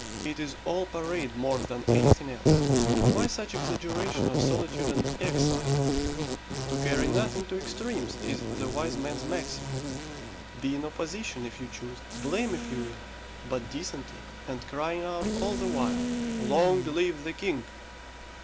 It is all parade more than anything else. Why such exaggeration of solitude and exile? to carry nothing to extremes is the wise man's maxim. Be in opposition if you choose, blame if you will, but decently, and crying out all the while "Long live the King."